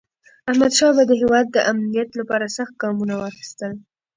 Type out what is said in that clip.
احمدشاه بابا د هیواد د امنیت لپاره سخت ګامونه واخیستل.